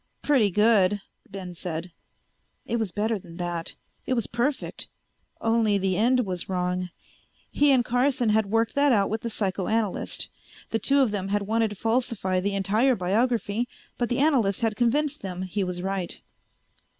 "Pretty good," Ben said. It was better than that. It was perfect. Only the end was wrong. He and Carson had worked that out with the psychoanalyst. The two of them had wanted to falsify the entire biography, but the analyst had convinced them he was right.